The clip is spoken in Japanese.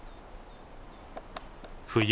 冬。